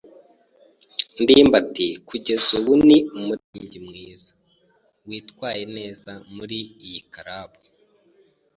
ndimbati kugeza ubu ni umuririmbyi mwiza witwaye neza muri iyi club.